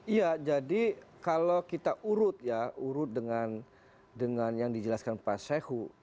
iya jadi kalau kita urut ya urut dengan yang dijelaskan pak sehu